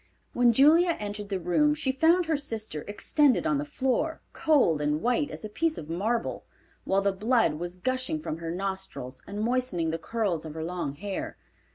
When Julia entered the room she found her sister extended on the floor, cold and white as a piece of marble, while the blood was gushing from her nostrils and moistening the curls of her long hair.